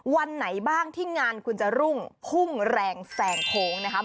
วันไหนบ้างที่งานคุณจะรุ่งพุ่งแรงแสงโค้งนะครับ